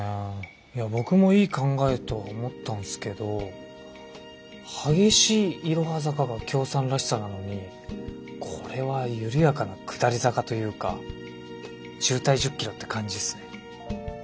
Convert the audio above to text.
いや僕もいい考えと思ったんすけど激しいいろは坂がきょーさんらしさなのにこれは緩やかな下り坂というか渋滞１０キロって感じっすね。